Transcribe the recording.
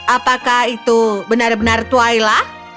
apakah itu benar benar twaila